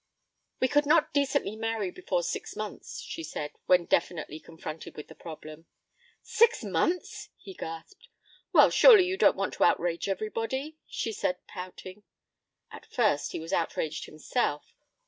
'We could not decently marry before six months,' she said, when definitely confronted with the problem. 'Six months!' he gasped. 'Well, surely you don't want to outrage everybody,' she said, pouting. At first he was outraged himself.